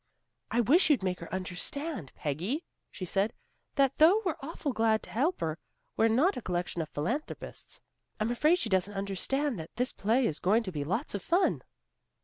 "I wish you'd make her understand, Peggy," she said, "that though we're awfully glad to help her, we're not a collection of philanthropists. I'm afraid she doesn't understand that this play is going to be lots of fun."